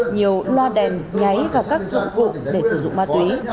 nhiều loa đèn nháy và các dụng cụ để sử dụng ma túy